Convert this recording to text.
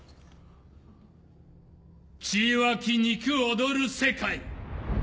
血湧き肉躍る世界。